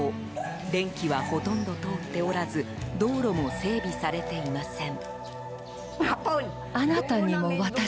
電気は、ほとんど通っておらず道路も整備されていません。